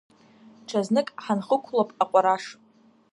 Ҽазнык ҳанхықәлап аҟәараш…